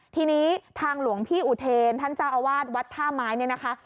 ทีนี้ทางหลวงพี่อุเทรนท่านเจ้าอาวาสวัดท่าไม้เนี่ยนะคะ